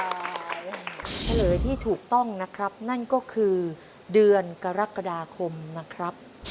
เฉลยที่ถูกต้องนะครับนั่นก็คือเดือนกรกฎาคมนะครับ